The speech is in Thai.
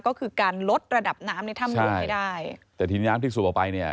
ก็คือการลดระดับน้ำในถ้ำหลวงให้ได้แต่ทีนี้น้ำที่สูบออกไปเนี่ย